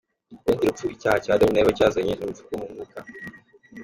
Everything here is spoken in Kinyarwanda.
Urundi rupfu icyaha cya Adamu na Eva cyazanye, ni urupfu rwo mu Mwuka.